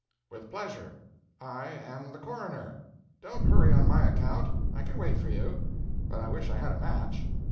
"With pleasure. I am the coroner. Don't hurry on my account. I can wait for you. But I wish I had a match."